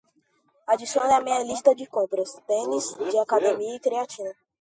Adicione à minha lista de compras: tênis de academia e creatina